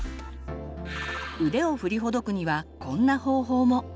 腕を振りほどくにはこんな方法も。